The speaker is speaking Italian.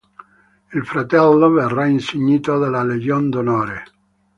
Il fratello verrà insignito della Legion d'onore.